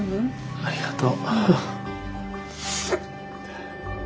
ありがとう。